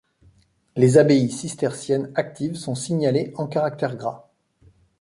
Les abbayes cisterciennes actives sont signalées en caractères gras.